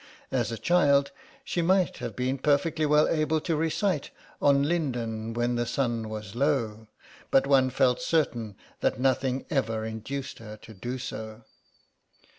As a child she might have been perfectly well able to recite "On Linden when the sun was low," but one felt certain that nothing ever induced her to do so.